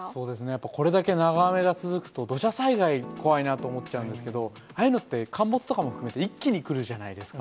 やっぱこれだけ長雨が続くと、土砂災害、怖いなと思っちゃうんですけど、ああいうのって、陥没とかも含めて一気に来るじゃないですか。